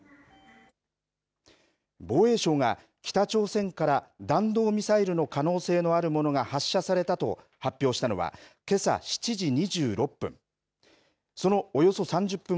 防衛省が北朝鮮から弾道ミサイルの可能性のあるものが発射されたと発表したのはけさ７時２６分。